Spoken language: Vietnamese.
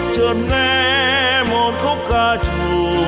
chợt nghe một khúc ca trù